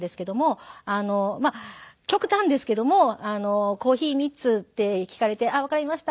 まあ極端ですけども「コーヒー３つ」って聞かれて「あっわかりました。